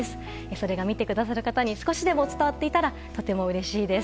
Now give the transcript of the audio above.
それが見てくださる方に少しでも伝わっていたらとてもうれしいです。